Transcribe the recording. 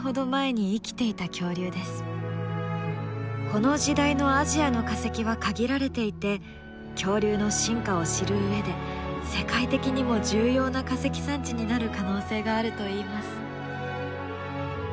この時代のアジアの化石は限られていて恐竜の進化を知る上で世界的にも重要な化石産地になる可能性があるといいます。